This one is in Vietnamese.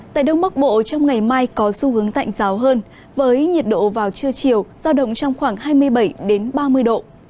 tại đông bắc bộ trong ngày mai có xu hướng tạnh giáo hơn với nhiệt độ vào trưa chiều giao động trong khoảng hai mươi bảy ba mươi độ